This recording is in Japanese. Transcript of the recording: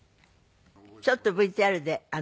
ちょっとＶＴＲで。